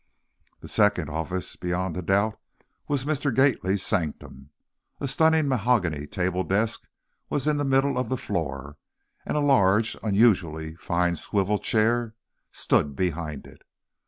The second office, beyond a doubt, was Mr. Gately's sanctum. A stunning mahogany table desk was in the middle of the floor, and a large, unusually fine swivel chair stood behind it.